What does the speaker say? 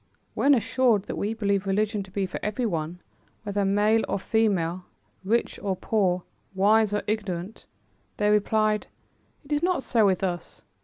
When assured that we believe religion to be for everyone, whether male or female, rich or poor, wise or ignorant, they replied: "It is not so with us.